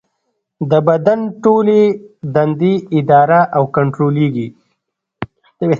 د بدن ټولې دندې اداره او کنټرولېږي.